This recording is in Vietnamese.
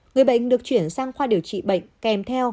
người bệnh được chuyển sang khoa điều trị bệnh kèm theo